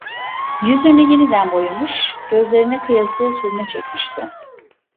Yüzünü yeniden boyamış, gözlerine kıyasıya sürme çekmişti.